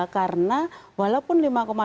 karena walaupun lima dua puluh tujuh